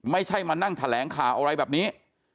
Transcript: ไม่ใช่มานั่งแถลงข่าวอะไรแบบนี้